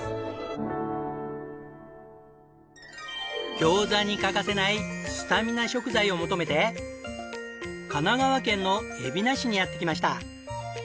餃子に欠かせないスタミナ食材を求めて神奈川県の海老名市にやって来ました。